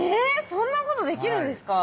そんなことできるんですか？